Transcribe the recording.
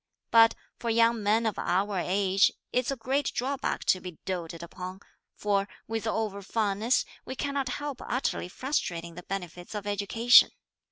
But for young men of our age it's a great drawback to be doated upon, for with over fondness, we cannot help utterly frustrating the benefits of education.